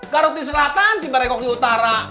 garut di selatan cibarekok di utara